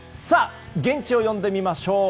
現地を呼んでみましょう。